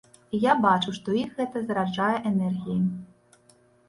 І я бачу, што іх гэта зараджае энергіяй.